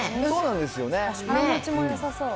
そうなんですよね。